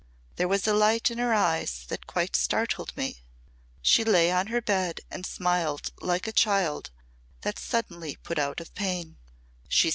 There was a light in her eyes that quite startled me. She lay on her bed and smiled like a child that's suddenly put out of pain.